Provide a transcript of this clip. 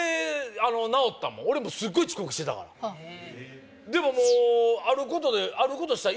俺もすっごい遅刻してたからでももうえっ？